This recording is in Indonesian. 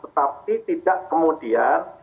tetapi tidak kemudian